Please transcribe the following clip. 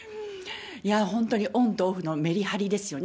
本当にオンとオフのメリハリですよね。